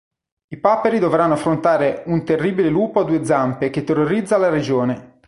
I paperi dovranno affrontare un terribile lupo a due zampe che terrorizza la regione.